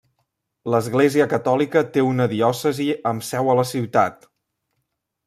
L'Església catòlica té una diòcesi amb seu a la ciutat.